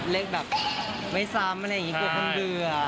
เล็กแบบไม่ซ้ำอะไรอย่างนี้กว่าข้างเดือ